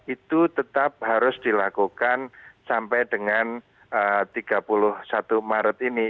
itu tetap harus dilakukan sampai dengan tiga puluh satu maret ini